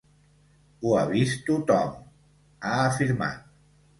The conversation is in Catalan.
Ho ha vist tothom, ha afirmat.